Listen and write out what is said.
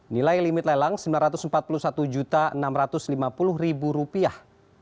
nilai limit lelang sembilan ratus empat puluh satu enam ratus lima puluh rupiah